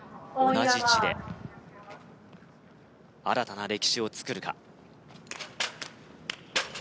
同じ地で新たな歴史を作るか？